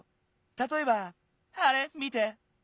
たとえばあれ見て。